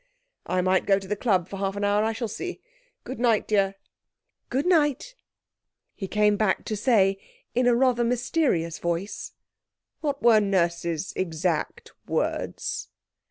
'I might go to the club for half an hour. I shall see. Good night, dear.' 'Good night.' He came back to say, in a rather mysterious voice 'What were Nurse's exact words?'